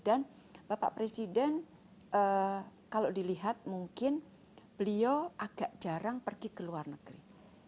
dan bapak presiden kalau dilihat mungkin beliau agak jarang pergi ke luar negeri